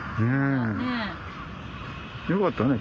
よかったね